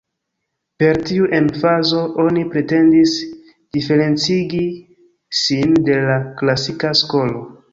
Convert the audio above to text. Per tiu emfazo oni pretendis diferencigi sin de la klasika skolo.